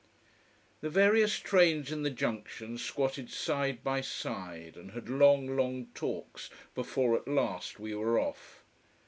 The various trains in the junction squatted side by side and had long, long talks before at last we were off.